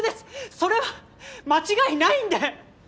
それは間違いないんで！